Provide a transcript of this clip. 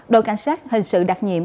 đội cảnh sát hình sự đặc nhiệm